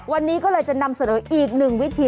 วันนี้ก็เลยจะนำเสนออีกหนึ่งวิธี